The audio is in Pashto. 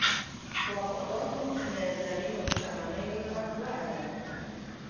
وفادار دوست له زرینو شتمنیو نه غوره دی.